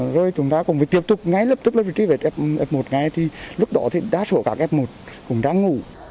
rồi chúng ta cũng phải tiếp tục ngay lập tức truy vết f một ngay thì lúc đó thì đa số các f một cũng đang ngủ